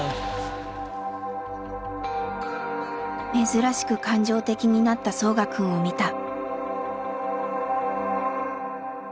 「珍しく感情的になったソウガくんを見た」。